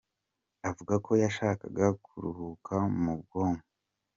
Avuga ko yashakaga kuhuruka mu bwonko.